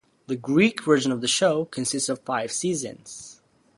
The Greek version of the show consists of five seasons.